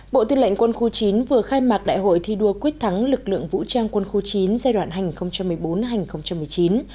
bộ tư lệnh quân khu chín vừa khai mạc đại hội thi đua quyết thắng lực lượng vũ trang quân khu chín giai đoạn hành một mươi bốn hai nghìn một mươi chín